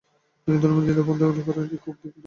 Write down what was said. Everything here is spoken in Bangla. তিনি ধর্মীয় দ্বিধাদ্বন্দ্ব নিয়ে খুব উদ্বিগ্ন ছিলেন।